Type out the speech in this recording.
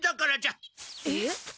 えっ？